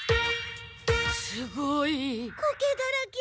すごい！コケだらけ！